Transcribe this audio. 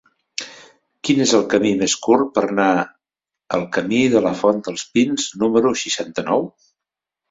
Quin és el camí més curt per anar al camí de la Font dels Pins número seixanta-nou?